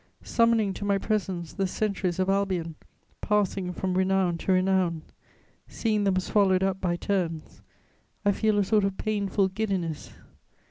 Summoning to my presence the centuries of Albion, passing from renown to renown, seeing them swallowed up by turns, I feel a sort of painful giddiness.